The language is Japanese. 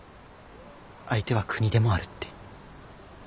相手は国でもあるって。